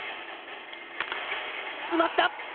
詰まった。